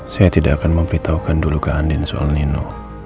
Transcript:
saya tidak akan memperitahukan dulu ke andi soal nino